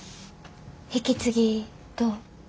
引き継ぎどう？